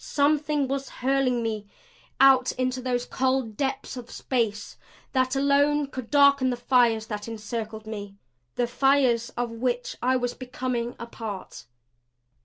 Something was hurling me out into those cold depths of space that alone could darken the fires that encircled me the fires of which I was becoming a part.